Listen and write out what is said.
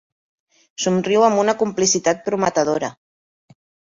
Somriu amb una complicitat prometedora.